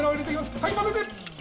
はいまぜて！